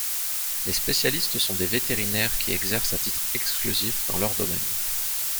Les spécialistes sont des vétérinaires qui exercent à titre exclusif dans leur domaine.